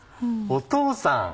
お父さん！